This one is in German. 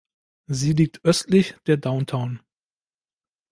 Sie liegt östlich der Downtown.